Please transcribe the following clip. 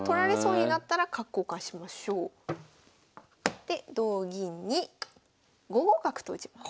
で同銀に５五角と打ちます。